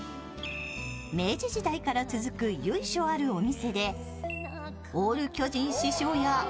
明治時代から続く由緒あるお店でオール巨人師匠や